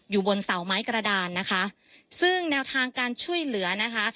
อยู่บนเสาไม้กระดานนะคะซึ่งแนวทางการช่วยเหลือนะคะ